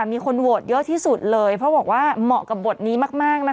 มีคนโหวตเยอะที่สุดเลยเพราะบอกว่าเหมาะกับบทนี้มากนะคะ